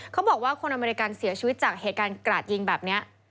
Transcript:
เขาบอกว่าคนอเมริกันเสียชีวิตจากเหตุการณ์กราดยิงแบบนี้